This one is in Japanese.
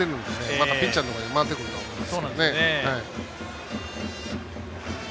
まだピッチャーのところに回ってくると思うんで。